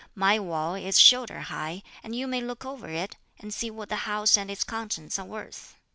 My wall is shoulder high, and you may look over it and see what the house and its contents are worth.